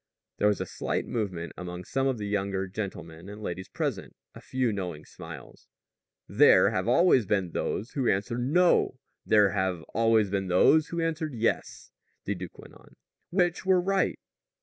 There was a slight movement among some of the younger gentlemen and ladies present a few knowing smiles. "There have always been those who answered No; there have always been those who answered Yes," the duke went on. "Which were right?"